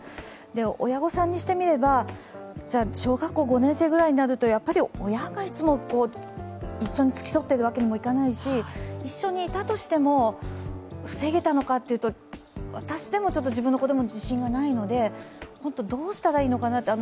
親御さんにしてみれば小学校５年生くらいになると親がいつも一緒に付き添っているわけにもいかないし、一緒にいたとしても、防げたのかというと、私でも自分の子供に自信がないので本当にどうしたらいいのかなと。